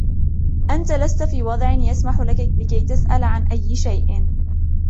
أنتَ لست في وضع يسمح لكي تسأل عن أي شئ.